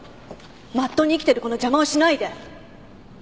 まっとうに生きてる子の邪魔をしないで。